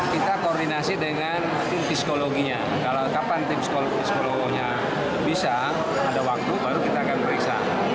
kita koordinasi dengan tim psikologinya kalau kapan tim psikolognya bisa ada waktu baru kita akan periksa